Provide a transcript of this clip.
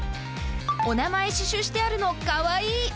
お名前刺しゅうしてあるの、かわいい。